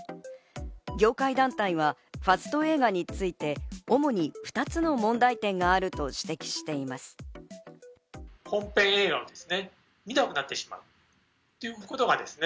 業界団体はファスト映画について主に２つの問題点があると指摘しています。